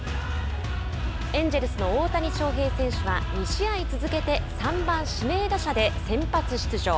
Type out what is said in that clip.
エンジェルスの大谷翔平選手は２試合続けて３番指名打者で先発出場。